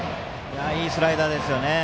いいスライダーですね。